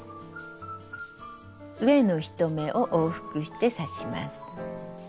上の１目を往復して刺します。